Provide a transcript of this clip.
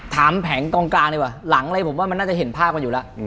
แผงตรงกลางดีกว่าหลังอะไรผมว่ามันน่าจะเห็นภาพกันอยู่แล้ว